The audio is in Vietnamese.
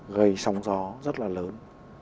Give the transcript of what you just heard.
gây sóng gió rất là lớn